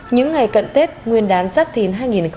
những ngày cận tết nguyên đán giáp thìn hai nghìn hai mươi bốn